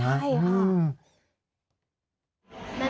ใช่ค่ะ